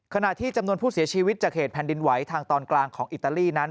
ขณะที่จำนวนผู้เสียชีวิตจากเหตุแผ่นดินไหวทางตอนกลางของอิตาลีนั้น